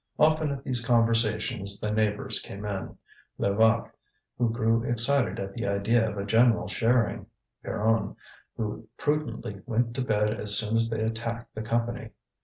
Often at these conversations the neighbours came in: Levaque, who grew excited at the idea of a general sharing; Pierron, who prudently went to bed as soon as they attacked the Company.